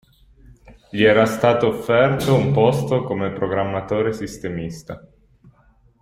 Gli era stato offerto un posto come programmatore sistemista.